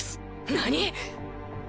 何！